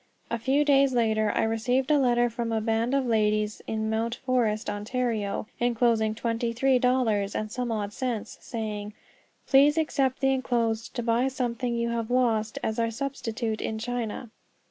A few days later I received a letter from a band of ladies in Mount Forest, Ontario, enclosing twenty three dollars and some odd cents, and saying: "Please accept the enclosed to buy something you have lost as our substitute in China."